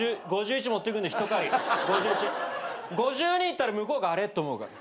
５２いったら向こうが「あれ？」と思うから。